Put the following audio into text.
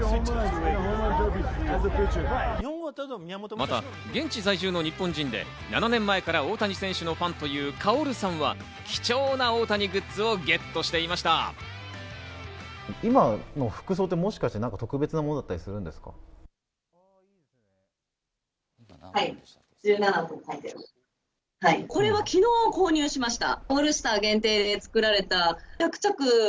また現地在住の日本人で７年前から大谷選手のファンというカオルさんは、貴重な大谷グッズをゲットしていました。